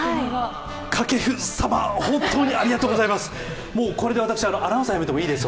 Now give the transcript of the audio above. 掛布様、本当にありがとうございます。